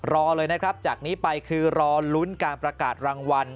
รอเลยนะครับจากนี้ไปคือรอลุ้นการประกาศรางวัล